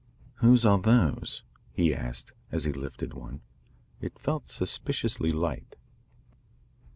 "Whose are those?" he asked as he lifted one. It felt suspiciously light.